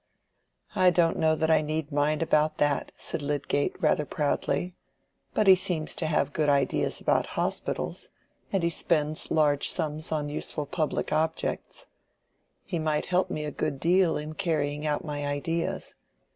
"I don't know that I need mind about that," said Lydgate, rather proudly; "but he seems to have good ideas about hospitals, and he spends large sums on useful public objects. He might help me a good deal in carrying out my ideas.